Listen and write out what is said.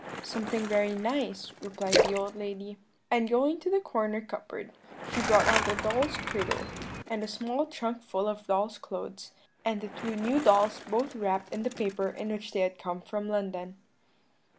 "'Something very nice,' replied the old lady; and going to the corner cupboard, she brought out a doll's cradle, and a small trunk full of doll's clothes, and the two new dolls both wrapped in the paper in which they had come from London.